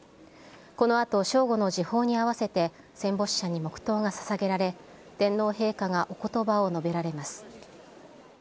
このあと正午の時報に合わせて戦没者に黙とうがささげられ、天皇陛下がおことばを述べられます。